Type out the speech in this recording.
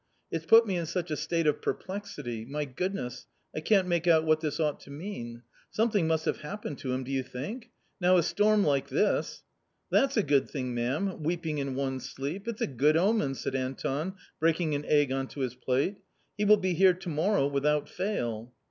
It's put me in such a state of perplexity ; my Goodness, I can't make out what this ought to mean. Some thing must have happened to him, do you think ? Now a storm like this "" That's a good thing, ma'am, weeping in one's sleep ; it's a good omen !" said Anton, breaking an egg on to his plate. " He will be here to morrow without fail."